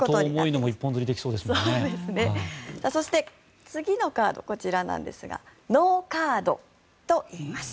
そして、次のカードこちらなんですが農カードといいます。